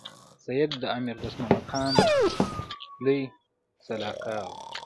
سید د امیر دوست محمد خان لوی سلاکار وو.